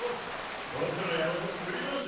どっかの野郎の作り話だ！